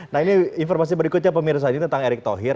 nah ini informasi berikutnya pemirsa ini tentang erick thohir